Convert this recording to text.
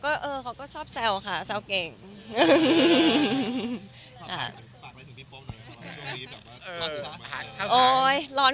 เนี่ยเนี่ยล้างอากาศร้อน